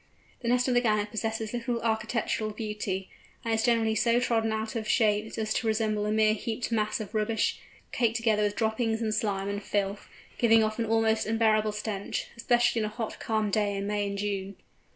The nest of the Gannet possesses little architectural beauty, and is generally so trodden out of shape as to resemble a mere heaped mass of rubbish, caked together with droppings, and slime, and filth, giving off an almost unbearable stench, especially on a calm hot day in May or June.